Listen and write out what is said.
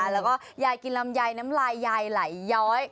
แล้วก็ยายกินลำไยน้ำลายยายไหลย้อย